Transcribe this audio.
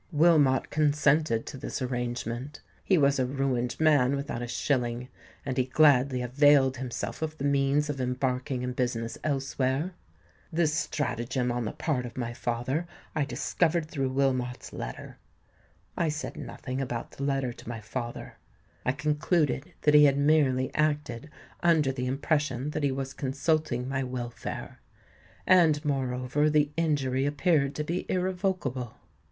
Wilmot consented to this arrangement: he was a ruined man without a shilling; and he gladly availed himself of the means of embarking in business elsewhere. This stratagem on the part of my father I discovered through Wilmot's letter. I said nothing about the letter to my father: I concluded that he had merely acted under the impression that he was consulting my welfare; and moreover the injury appeared to be irrevocable.